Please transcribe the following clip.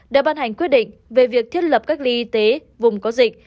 đã ban hành quyết định về việc thiết lập cách ly y tế vùng có dịch